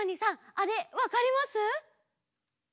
あれわかります？